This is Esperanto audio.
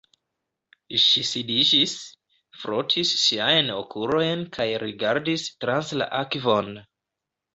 Ŝi sidiĝis, frotis siajn okulojn kaj rigardis trans la akvon.